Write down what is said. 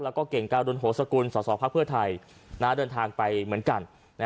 แล้วก็เก่งการุณโหสกุลสอสอภักดิ์เพื่อไทยเดินทางไปเหมือนกัน